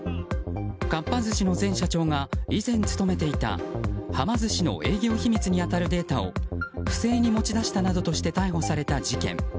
かっぱ寿司の前社長が以前勤めていたはま寿司の営業秘密に当たるデータを不正に持ち出したなどとして逮捕された事件。